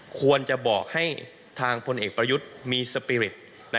ควรจะบอกให้ทางพลเอกประยุทธ์มีสปีริต